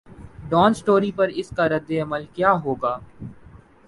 Dawn story پر اس کا ردعمل کیا ہو گا؟